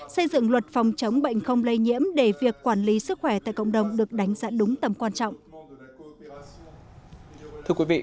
xây dựng luật phòng chống bệnh không lây nhiễm để việc quản lý sức khỏe tại cộng đồng được đánh giá đúng tầm quan trọng